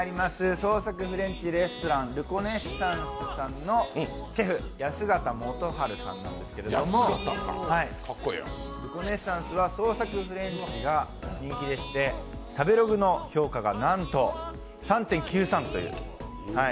創作フレンチレストランルコネッサンスのシェフ安形元晴さんなんですけどルコネッサンスは創作フレンチが人気でして、食べログの評価がなんと３．９３という。